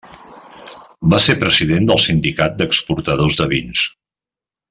Va ser president del Sindicat d'Exportadors de Vins.